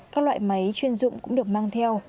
các loại máy chuyên dụng cũng được mang theo